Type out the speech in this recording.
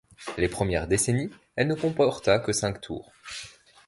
Les premières décennies, elle ne comporta que cinq tours.